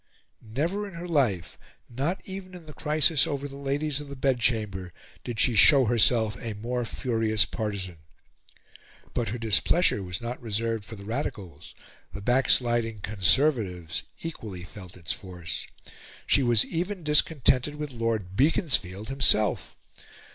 Never in her life, not even in the crisis over the Ladies of the Bedchamber, did she show herself a more furious partisan. But her displeasure was not reserved for the Radicals; the backsliding Conservatives equally felt its force. She was even discontented with Lord Beaconsfield himself.